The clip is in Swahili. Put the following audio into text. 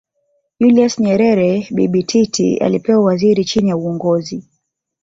Julius Nyerere Bibi Titi alipewa uwaziri chini ya Uongozi